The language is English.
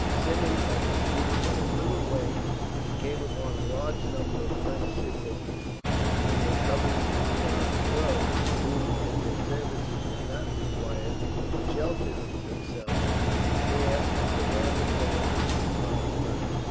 Symmonds had proceeded but a little way, when he came upon a large number of French Sepoys, who were covering the rear of the grove; but who, as their services were not required, were sheltering themselves there from the random bullets which were flying about.